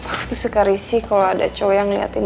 aku tuh suka risih kalo ada cowok yang ngeliatin